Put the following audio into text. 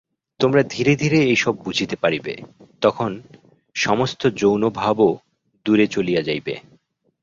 তোমরা ধীরে ধীরে এইসব বুঝিতে পারিবে, তখন সমস্ত যৌন ভাবও দূরে চলিয়া যাইবে।